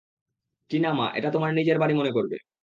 টিনা মা, এটা তোমার নিজের বাড়ি মনে করবে।